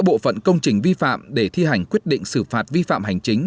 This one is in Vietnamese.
bộ phận công trình vi phạm để thi hành quyết định xử phạt vi phạm hành chính